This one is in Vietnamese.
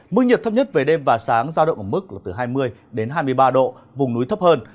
mưa nhiệt thấp nhất về đêm và sáng rao động ở mức từ hai mươi hai mươi ba độ vùng núi thấp hơn